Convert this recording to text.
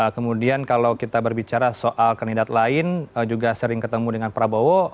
kemudian kalau kita berbicara soal kandidat lain juga sering ketemu dengan prabowo